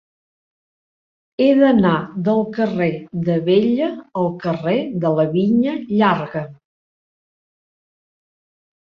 He d'anar del carrer d'Abella al carrer de la Vinya Llarga.